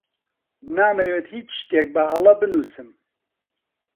نامەوێت هیچ شتێک بەهەڵە بنووسم.